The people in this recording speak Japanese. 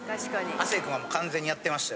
亜生くんは完全にやってましたよ。